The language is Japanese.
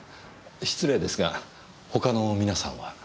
失礼ですがほかの皆さんは？